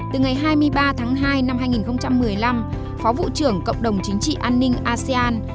từ ngày hai mươi ba tháng hai năm hai nghìn một mươi năm phó vụ trưởng cộng đồng chính trị an ninh asean